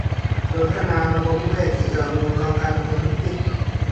โดยพัฒนาระบบนิเวศที่เอื้ออำนวยต่อการดำเนินธุรกิจ